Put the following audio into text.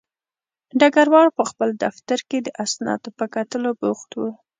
ډګروال په خپل دفتر کې د اسنادو په کتلو بوخت و